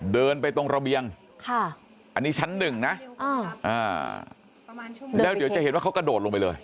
เดินไปตรงระเบียงอันนี้ชั้นหนึ่งนะแล้วเดี๋ยวจะเห็นว่าเขากระโดดลงไปเลย